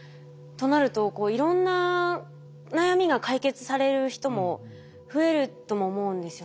となるといろんな悩みが解決される人も増えるとも思うんですよね。